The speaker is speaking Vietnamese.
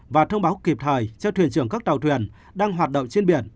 và thông báo kịp thời cho thuyền trưởng các tàu thuyền đang hoạt động trên biển